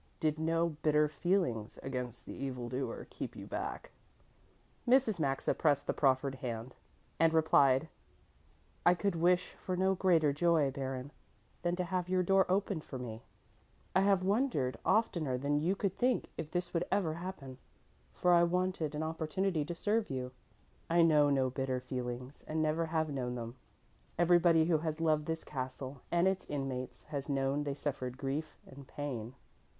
"Did no bitter feelings against the evil doer keep you back?" Mrs. Maxa pressed the proffered hand and replied, "I could wish for no greater joy, Baron, than to have your door opened for me. I have wondered oftener than you could think if this would ever happen, for I wanted an opportunity to serve you. I know no bitter feelings and never have known them. Everybody who has loved this castle and its inmates has known they suffered grief and pain."